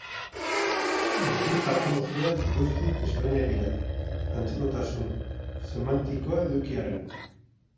Bi patologia guztiz desberdinak dira, antzekotasun semantikoa eduki arren.